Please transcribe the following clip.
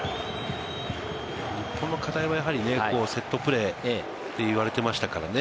日本の課題はやはりセットプレーって言われていましたからね。